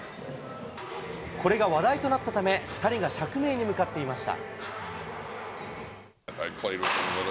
これが話題となったため、２人が釈明に向かっていました。